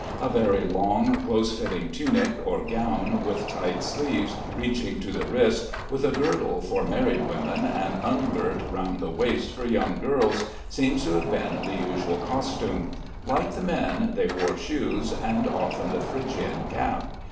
A very long close fitting tunic or gown with tight sleeves reaching to the wrist, with a girdle for married women, and ungirt round the waist for young girls, seems to have been the usual costume. Like the men, they wore shoes, and often the Phrygian cap.